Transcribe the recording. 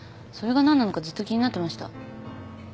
それが何なのかずっと気になってました。